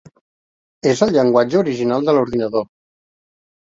És el llenguatge original de l'ordinador.